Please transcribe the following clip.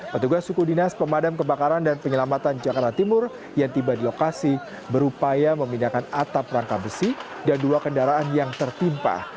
petugas suku dinas pemadam kebakaran dan penyelamatan jakarta timur yang tiba di lokasi berupaya memindahkan atap rangka besi dan dua kendaraan yang tertimpa